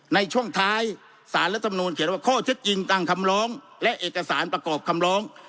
ในช่วงท้ายสารรัฐมนูลเขียนว่าข้อเท็จจริงตั้งคำร้องและเอกสารประกอบคำร้อง